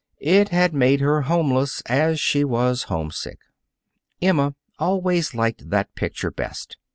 It had made her homeless as she was homesick. Emma always liked that picture best.